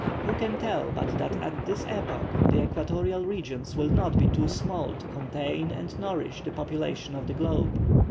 Who can tell but that at this epoch, the equatorial regions will not be too small to contain and nourish the population of the globe.